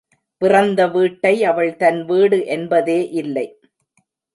பிறந்த வீட்டை அவள் தன் வீடு என்பதே இல்லை.